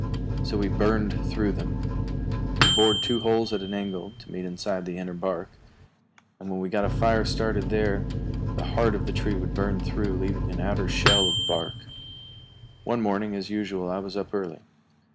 So we burned through them. We bored two holes at an angle to meet inside the inner bark, and when we got a fire started there the heart of the tree would burn through, leaving an outer shell of bark. One morning, as usual, I was up early.